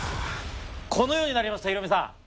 このようになりましたヒロミさん。